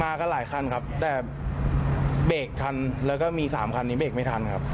กันหลายคันครับแต่เบรกทันแล้วก็มีสามคันนี้เบรกไม่ทันครับ